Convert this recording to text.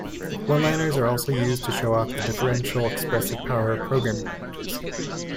One-liners are also used to show off the differential expressive power of programming languages.